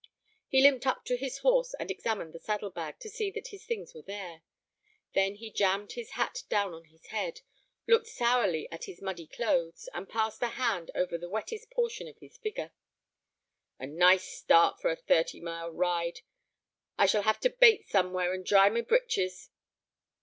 He limped up to his horse, and examined the saddle bag to see that his things were there. Then he jammed his hat down on his head, looked sourly at his muddy clothes, and passed a hand over the wettest portion of his figure. "A nice start for a thirty mile ride. I shall have to bait somewhere and dry my breeches."